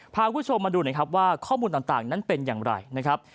พาคุณผู้ชมมาดูหน่อยครับว่าข้อมูลต่างนั้นเป็นอย่างไรนะครับ